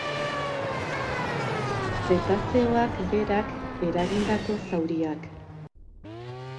Zetazeoak berak eragindako zauriak.